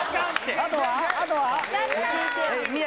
あとは？